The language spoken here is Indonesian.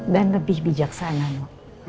dan lebih bijaksana no